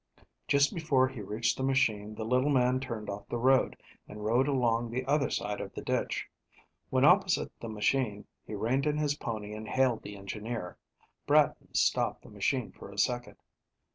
Just before he reached the machine the little man turned off the road and rode along the other side of the ditch. When opposite the machine, he reined in his pony and hailed the engineer. Bratton stopped the machine for a second.